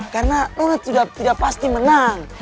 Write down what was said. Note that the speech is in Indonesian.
karena lona tidak pasti menang